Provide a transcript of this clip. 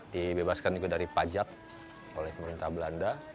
dibebaskan juga dari pajak oleh pemerintah belanda